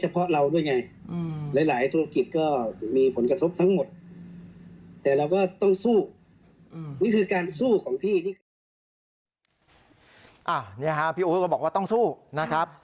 พี่อุ๊ตก็บอกว่าต้องสู้นะครับ